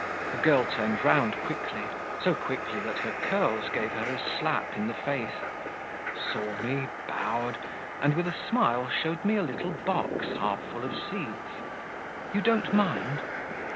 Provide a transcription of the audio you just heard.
The girl turned round quickly, so quickly that her curls gave her a slap in the face, saw me, bowed, and with a smile showed me a little box half full of seeds. 'You don't mind?'